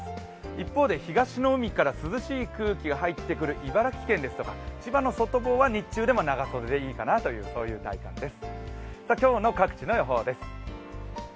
一方で東の海から涼しい空気が入ってくる茨城県ですとか千葉の外房は日中でも長袖でもいいかなという陽気です。